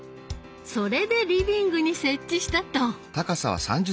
それでリビングに設置したと。